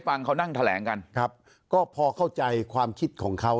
พอเข้าใจความคิดของเขา